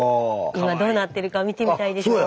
今どうなってるか見てみたいでしょう？